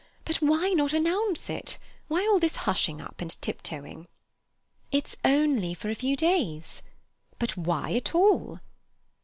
But why not announce it? Why this hushing up and tip toeing?" "It's only for a few days." "But why at all?"